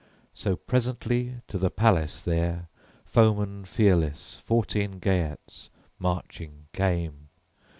So presently to the palace there foemen fearless, fourteen Geats, marching came.